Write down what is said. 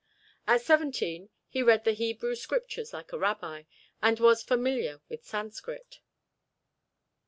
At seventeen he read the Hebrew scriptures like a Rabbi, and was familiar with Sanskrit.